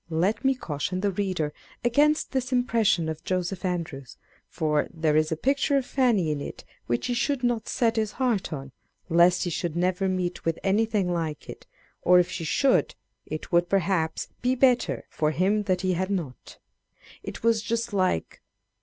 Let me caution the reader against this impression of Joseph Andrews ; for there is a picture of Fanny in it which he should not set his heart on, lest he should never meet with anything like it ; or if he should, it would, perhaps, be better for him that he had not. It was just like